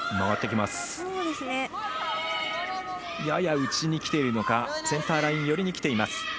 やや内にきているのかセンターライン寄りにきています。